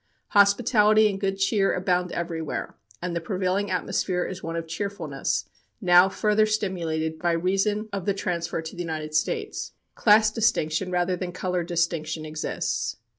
Hospitality and good cheer abound everywhere, and the prevailing atmosphere is one of cheerfulness, now further stimulated by reason of the transfer to the United States. Class distinction rather than color distinction exists.